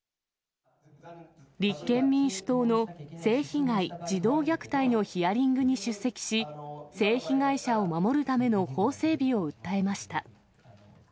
立憲民主党の性被害・児童虐待のヒアリングに出席し、性被害者を守るための法整備を訴えました。